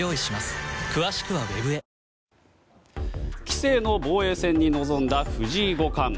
棋聖の防衛戦に臨んだ藤井五冠。